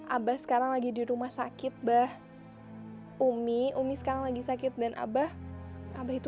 abah sekarang lagi di rumah sakit bah umi umi sekarang lagi sakit dan abah abah itu